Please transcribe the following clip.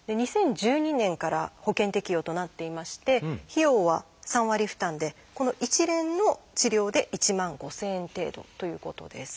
２０１２年から保険適用となっていまして費用は３割負担でこの一連の治療で１万５，０００円程度ということです。